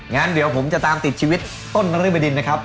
งั้นเดี๋ยวผมจะตามติดชีวิตต้นนรึบดินนะครับ